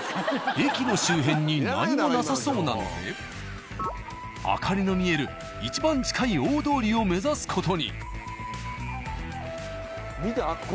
駅の周辺に何もなさそうなので明かりの見えるいちばん近い大通りを目指す事に。